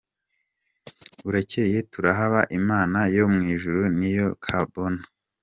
Burakeye tuharabe, Imana yo mw’ijuru niyo cabona.”